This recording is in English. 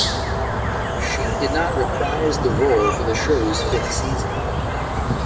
She did not reprise the role for the show's fifth season.